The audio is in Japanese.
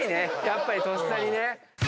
やっぱりとっさにね。